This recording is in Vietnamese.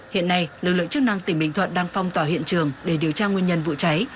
hiện nay lực lượng chức năng tỉnh bình thuận đang phong tỏa hiện trường để điều tra nguyên nhân vụ cháy